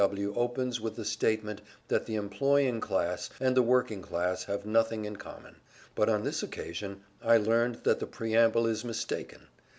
W. W. opens with the statement that the employing class and the working class have nothing in common; but on this occasion I learned that the preamble is mistaken.